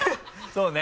そうね。